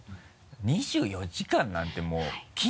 「２４時間」なんてもうはい。